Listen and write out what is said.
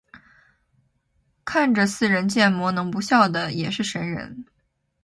看着似人建模能不笑也是神人